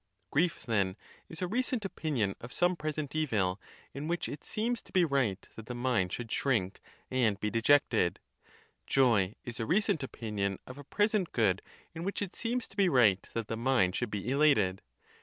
Grief, then, is a recent opinion of some present evil, in which it seems to be right that the mind should shrink and be dejected. Joy is a recent opinion of a present good, in which it seems to be right that the mind should be elated.